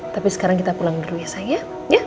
tapi sekarang kita pulang dulu ya sayang ya